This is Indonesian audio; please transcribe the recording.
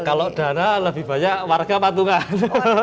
kalau dana lebih banyak warga patungan